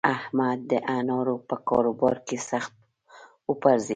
احمد د انارو په کاروبار کې سخت وپرځېد.